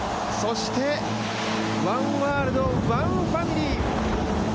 そして「ワンワールド、ワンファミリー」。